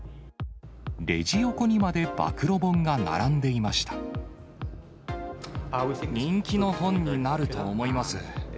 レジ横にまで暴露本が並んで人気の本になると思います。